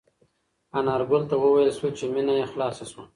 انارګل ته وویل شول چې مېنه یې خلاصه شوه.